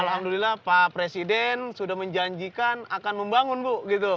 alhamdulillah pak presiden sudah menjanjikan akan membangun bu